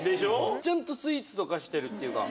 ちゃんとスイーツと化してるっていうか。